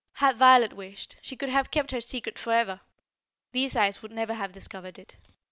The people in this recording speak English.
Had Violet wished, she could have kept her secret forever. These eyes would never have discovered it.